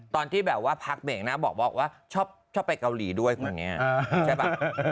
ตอนที่แบบว่าพักเบรกนะบอกว่าชอบไปเกาหลีด้วยคนนี้ใช่ป่ะ